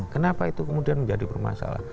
kenapa itu kemudian menjadi bermasalah